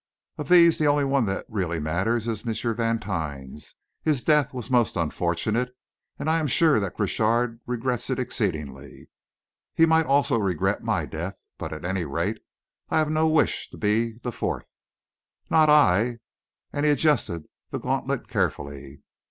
Of these, the only one that really matters is M. Vantine; his death was most unfortunate, and I am sure that Crochard regrets it exceedingly. He might also regret my death, but, at any rate, I have no wish to be the fourth. Not I," and he adjusted the gauntlet carefully.